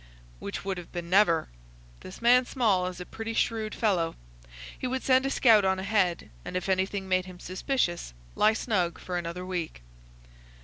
"Which would have been never. This man Small is a pretty shrewd fellow. He would send a scout on ahead, and if anything made him suspicious lie snug for another week."